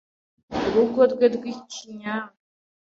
urugo rwe rw’i Kinyambi,